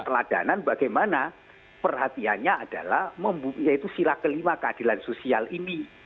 teladanan bagaimana perhatiannya adalah yaitu sila kelima keadilan sosial ini